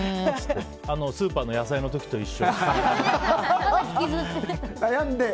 スーパーの野菜の時と一緒で。